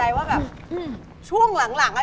อยู่ข้างหลัง